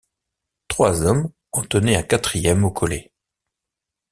Trois hommes en tenaient un quatrième au collet.